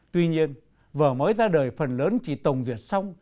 tuy nhiên vở mới ra đời phần lớn chỉ tổng duyệt xong